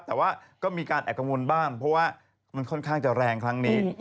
แต่ว่าก็มีการแอบกังวลบ้างเพราะว่ามันค่อนข้างจะแรงครั้งนี้